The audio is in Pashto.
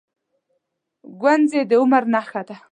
گونځې د عمر نښه ده.